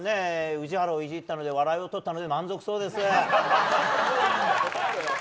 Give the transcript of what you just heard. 宇治原をイジったので笑いをとったので満足そうです。